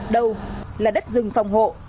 đâu là đất rừng phòng hộ